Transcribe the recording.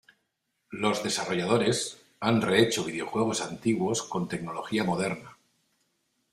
Los desarrolladores han rehecho videojuegos antiguos con tecnología moderna.